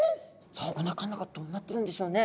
さあおなかの中どうなってるんでしょうね。